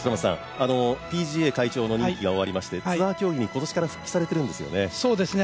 ＰＧＡ会長の任期が終わりましてツアー競技に今年から復帰されてるんですよね。